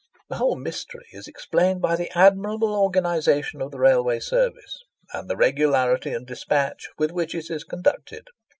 The whole mystery is explained by the admirable organisation of the railway service, and the regularity and despatch with which it is conducted.